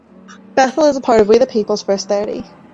Bethel is a part of "We The People's" "First Thirty".